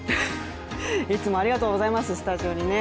いつもありがとうございます、スタジオにね。